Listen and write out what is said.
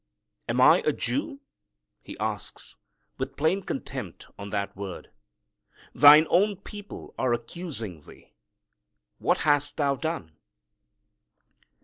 "Am I a Jew?" he asks, with plain contempt on that word. "Thine own people are accusing thee. What hast Thou done?"